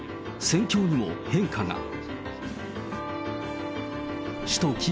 戦況にも変化が。